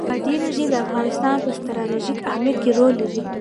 بادي انرژي د افغانستان په ستراتیژیک اهمیت کې رول لري.